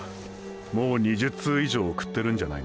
もう２０通以上送ってるんじゃないのか？